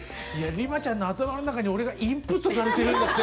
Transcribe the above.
ＲＩＭＡちゃんの頭の中に俺がインプットされてるんだって。